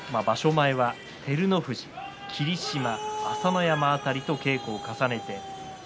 前は照ノ富士霧島、朝乃山辺りとと稽古を重ねました。